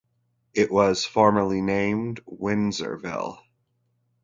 It was formerly named Windsorville.